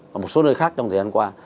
và một số nơi khác trong thời gian qua